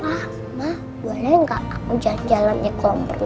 pak ma boleh nggak aku jalan jalannya ke ombril